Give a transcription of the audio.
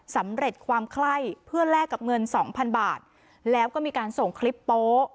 สำเร็จความไคร้เพื่อแลกกับเงินสองพันบาทแล้วก็มีการส่งคลิปโป๊